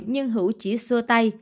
nhưng hữu chỉ xua tay